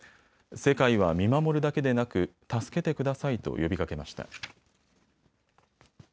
世界は見守るだけでなく助けてくださいと呼びかけました。